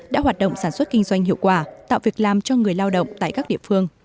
đã hoạt động sản xuất kinh doanh hiệu quả tạo việc làm cho người lao động tại các địa phương